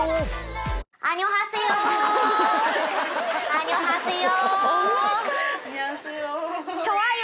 アニョハセヨ。